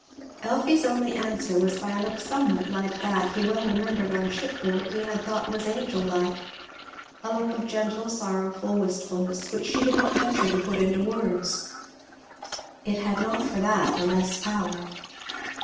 Elfie's only answer was by a look somewhat like that he well remembered on shipboard he had thought was angel like, a look of gentle sorrowful wistfulness which she did not venture to put into words. It had not for that the less power.